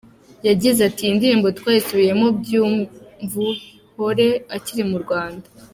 Yagize ati “Iyi ndirimbo twayisubiyemo Byumvuhore akiri mu Rwanda.